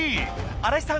新井さん。